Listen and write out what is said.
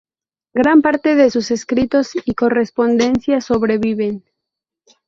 Gran parte de sus escritos y correspondencia sobreviven.